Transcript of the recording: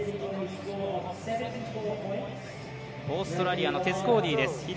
オーストラリアのテス・コーディです。